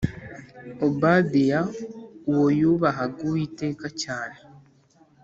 Obadiya uwo yubahaga Uwiteka cyane